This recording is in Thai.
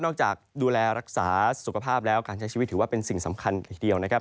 จากดูแลรักษาสุขภาพแล้วการใช้ชีวิตถือว่าเป็นสิ่งสำคัญทีเดียวนะครับ